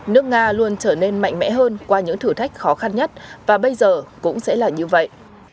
nước nga luôn trở nên mạnh mẽ hơn qua những thử thách khó khăn nhất và bây giờ cũng sẽ là như vậy